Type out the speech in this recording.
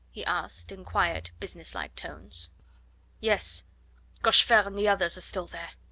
he asked in quiet, business like tones. "Yes. Cochefer and the others are still there.